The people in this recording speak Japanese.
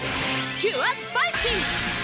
キュアスパイシー！